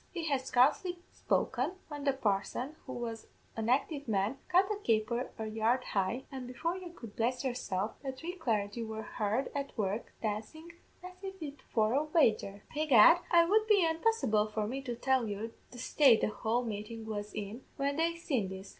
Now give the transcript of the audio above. "He had scarcely spoken, when the parson, who was an active man, cut a caper a yard high, an' before you could bless yourself, the three clargy were hard at work dancin', as if for a wager. Begad, it would be unpossible for me to tell you the state the whole meetin' was in when they seen this.